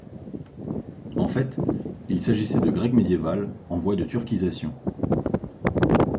En fait, il s'agissait de grec médiéval en voie de turcisation.